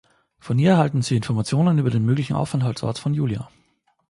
Von ihr erhalten sie Informationen über den möglichen Aufenthaltsort von Julia.